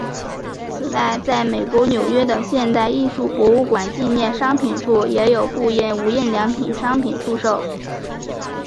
此外在美国纽约的现代艺术博物馆纪念商品处也有部份无印良品商品出售。